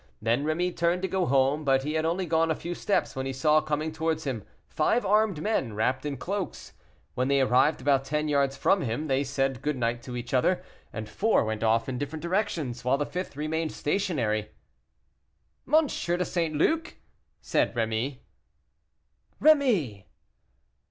Then Rémy turned to go home; but he had only gone a few steps, when he saw coming towards him five armed men, wrapped in cloaks. When they arrived about ten yards from him, they said good night to each other, and four went off in different directions, while the fifth remained stationary. "M. de St. Luc!" said Rémy. "Rémy!"